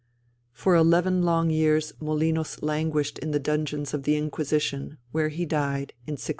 For eleven long years Molinos languished in the dungeons of the Inquisition, where he died in 1696.